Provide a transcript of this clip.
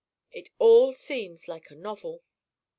It all seems like a novel."